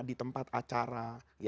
di tempat acara